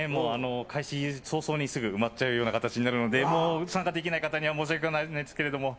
開始早々にすぐ埋まっちゃう形になるので参加できない方には申し訳ないんですけれども。